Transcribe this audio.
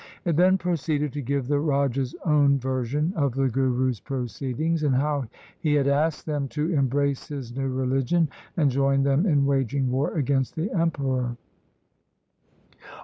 It then proceeded to give the rajas' own version of the Guru's proceedings, and how he had 166 THE SIKH RELIGION asked them to embrace his new religion and join them in waging war against the Emperor.